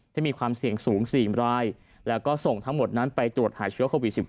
ที่มีความเสี่ยงสูง๔รายแล้วก็ส่งทั้งหมดนั้นไปตรวจหาเชื้อโควิด๑๙